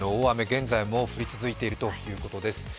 現在も降り続いているということです。